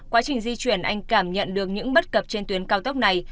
quá trình di chuyển anh cảm nhận được những bất cập trên tuyến cao tốc này